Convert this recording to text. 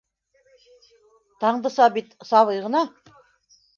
Таңдыса бит... сабый ғына!